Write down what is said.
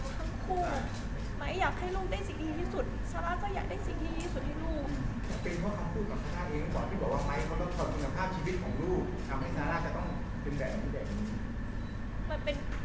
ต้องตอบคุณภาพชีวิตของลูกทำให้ซาร่าจะต้องเป็นแบบของพี่เด็ก